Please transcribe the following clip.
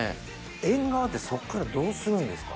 エンガワってそっからどうするんですか？